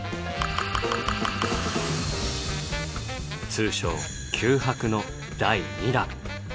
通称「九博」の第２弾。